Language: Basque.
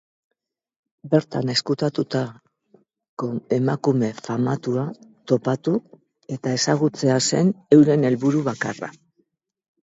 Bertan ezkutatutako emakume famatua topatu eta ezagutzea zen euren helburu bakarra.